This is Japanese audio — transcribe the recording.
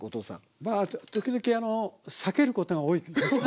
まあ時々あのさけることが多いですね。